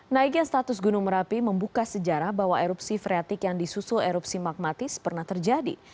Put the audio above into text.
naiknya status gunung merapi membuka sejarah bahwa erupsi freatik yang disusul erupsi magmatis pernah terjadi